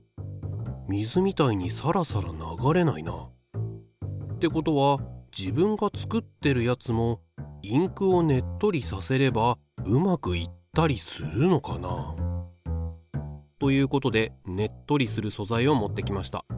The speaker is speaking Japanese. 水みたいにサラサラ流れないな。ってことは自分が作ってるやつもインクをねっとりさせればうまくいったりするのかな？ということでねっとりする素材を持ってきました。